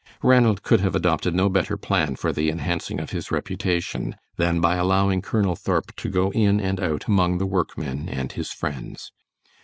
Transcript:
Ranald could have adopted no better plan for the enhancing of his reputation than by allowing Colonel Thorp to go in and out among the workmen and his friends.